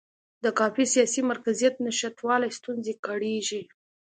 د کافي سیاسي مرکزیت نشتوالي ستونزې کړېږي.